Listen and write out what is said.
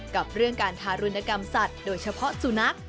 กับเรื่องการทารุณกรรมสัตว์โดยเฉพาะสุนัข